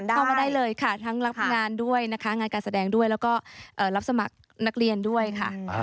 เข้ามาได้เลยค่ะทั้งรับงานด้วยนะคะงานการแสดงด้วยแล้วก็รับสมัครนักเรียนด้วยค่ะ